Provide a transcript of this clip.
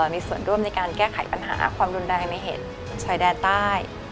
มีส่วนร่วมในการแก้ไขปัญหาความรุนแรงในเหตุชายแดนใต้